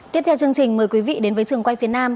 tiếp theo chương trình mời quý vị đến với trường quay phía nam